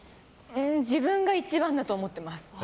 自分が一番だと思ってます。